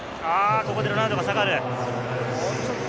ここでロナウド下がる。